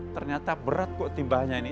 ternyata berat kok timbahnya ini